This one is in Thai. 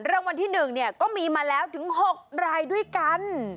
แล้ววันที่หนึ่งเนี่ยก็มีมาแล้วถึง๖รายด้วยกัน